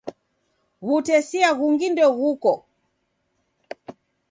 W'utesia ghungi ndeghuko.